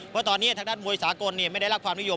เพราะตอนนี้ทางด้านมวยสากลไม่ได้รับความนิยม